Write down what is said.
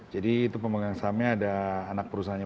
jadi itu pemegang sahamnya ada anak perusahaannya